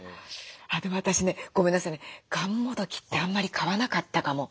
でも私ねごめんなさいねがんもどきってあんまり買わなかったかも。